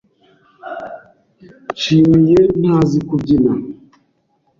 Nshimiye ntazi kubyina.